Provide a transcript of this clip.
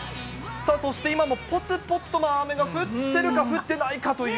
そして今もぽつぽつと雨が降ってるか降ってないかという。